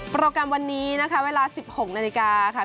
โปรแกรมวันนี้นะคะเวลา๑๖นาฬิกาค่ะ